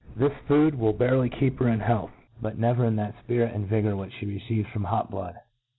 This food will barely keep her in health, but never in that fpirit and vigour which Ihe receives from hot blood.